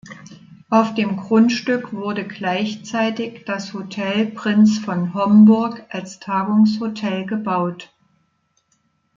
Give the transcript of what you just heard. Auf dem Grundstück wurde gleichzeitig das Hotel „Prinz von Homburg“ als Tagungshotel gebaut.